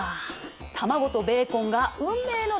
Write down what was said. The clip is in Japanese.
卵とベーコンが運命の出会い！